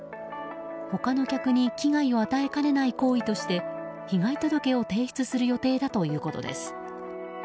他の客に危害を与えかねない行為として被害届を提出する予定だということです。